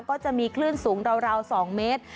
ก็จะมีคลื่นสูงราว๒เมตร